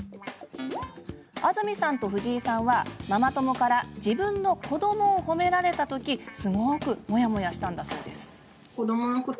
安住さんとフヂイさんはママ友から自分の子どもを褒められた時すごくモヤモヤしたそうです。